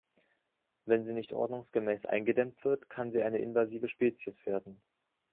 Wenn sie nicht ordnungsgemäß eingedämmt wird, kann sie eine invasive Spezies werden.